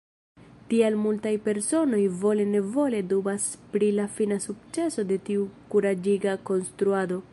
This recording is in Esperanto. Tial multaj personoj vole-nevole dubas pri la fina sukceso de tiu kuraĝiga konstruado.